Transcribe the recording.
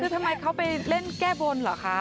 คือทำไมเขาไปเล่นแก้บนเหรอคะ